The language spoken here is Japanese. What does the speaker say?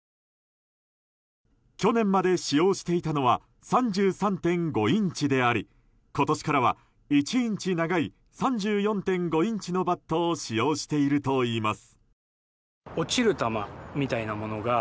去年まで使用していたのは３３．５インチであり今年からは１インチ長い３４．５インチのバットを使用しているといいます。